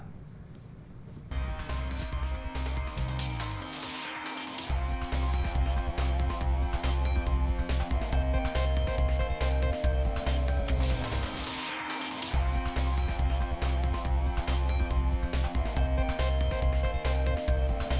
hẹn gặp lại